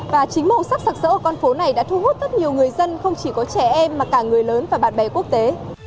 và chính màu sắc sạc sỡ ở con phố này đã thu hút rất nhiều người dân không chỉ có trẻ em mà cả người lớn và bạn bè quốc tế